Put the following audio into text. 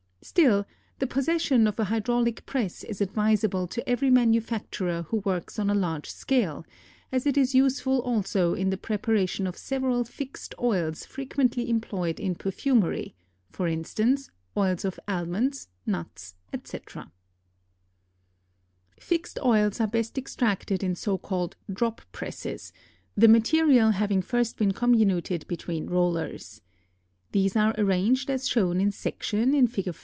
Still, the possession of a hydraulic press is advisable to every manufacturer who works on a large scale, as it is useful also in the preparation of several fixed oils frequently employed in perfumery, for instance, oils of almonds, nuts, etc. [Illustration: FIG. 5.] [Illustration: FIG. 6.] Fixed oils are best extracted in so called drop presses, the material having first been comminuted between rollers. These are arranged as shown in section in Fig.